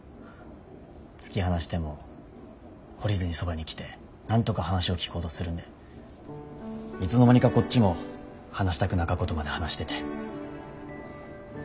突き放しても懲りずにそばに来てなんとか話を聞こうとするんでいつの間にかこっちも話したくなかことまで話してて。